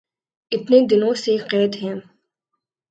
اتنے دنوں سے قید ہیں